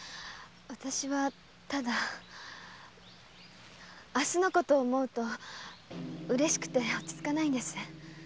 私はただ明日の事を思うとうれしくて落ち着かないんです。